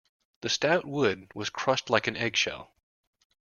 The stout wood was crushed like an eggshell.